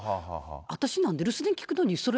私なんて留守電聞くのに、それ、